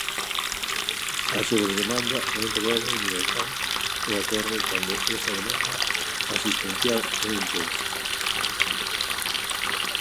A sobredemanda é un problema universal e ocorre cando esa demanda asistencial é intensa.